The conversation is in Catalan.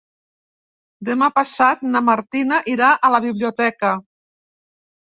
Demà passat na Martina irà a la biblioteca.